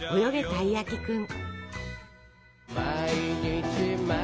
たいやきくん」。